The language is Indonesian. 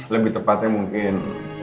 lebih tepatnya mungkin